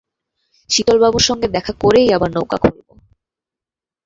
শীতলবাবুর সঙ্গে দেখা করেই আবার নৌকা খুলব।